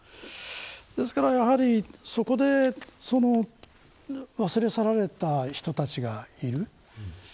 ですから、やはりそこで忘れ去られた人たちがいる。